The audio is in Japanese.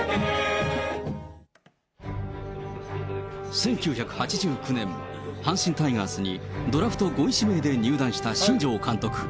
１９８９年、阪神タイガースにドラフト５位指名で入団した新庄監督。